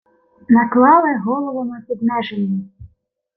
— Наклали головами під Нежинню!